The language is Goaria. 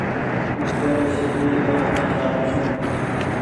او ڪيرو ڇي ڪي مينٚ بي چآلون ڇو